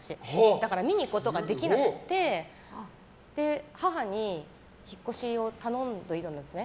だから見に行くことができなくて母に、引っ越しを頼んでおいたんですね。